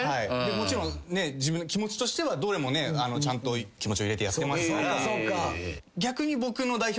もちろん自分の気持ちとしてはどれもねちゃんと気持ちを入れてやってますから。